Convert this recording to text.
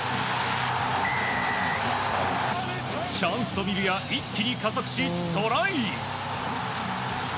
チャンスと見るや一気に加速しトライ。